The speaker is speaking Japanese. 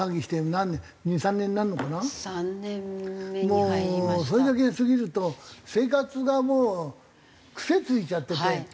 もうそれだけ過ぎると生活がもう癖ついちゃってて。